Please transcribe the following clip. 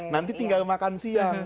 nanti tinggal makan siang